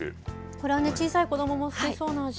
これはね、小さい子どもも好きそうな味。